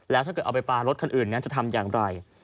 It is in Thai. แล้วถ้าเกิดเอาไปปลารถคันอื่นนั้นจะทำอย่างไร